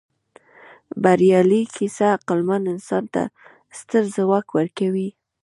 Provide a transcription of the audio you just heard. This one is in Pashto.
بریالۍ کیسه عقلمن انسان ته ستر ځواک ورکوي.